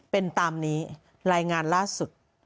เป็นตามนี้รายงานล่าสุด